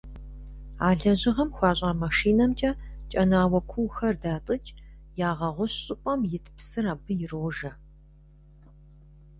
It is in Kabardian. А лэжьыгъэм хуэщӀа машинэмкӀэ кӀэнауэ куухэр датӀыкӀ, ягъэгъущ щӀыпӀэм ит псыр абы ирожэ.